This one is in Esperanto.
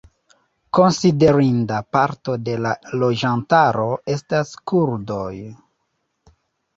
Konsiderinda parto de la loĝantaro estas kurdoj.